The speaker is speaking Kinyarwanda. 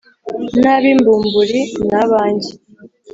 n’ab’imbumburi ni abanjye